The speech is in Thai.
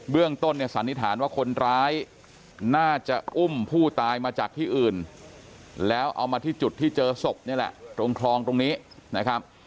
เรื่องต้นเนี่ยสันนิษฐานว่าคนร้ายน่าจะอุ้มผู้ตายมาจากที่อื่นแล้วเอามาที่จุดที่เจอศพนี่แหละตรงคลองตรงนี้นะครับ